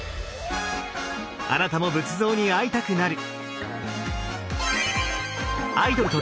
あなたも仏像に会いたくなる！